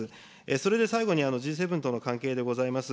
それで最後にＧ７との関係でございます。